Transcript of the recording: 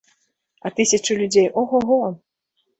А тысячы людзей о-го-го!